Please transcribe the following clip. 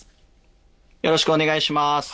よろしくお願いします。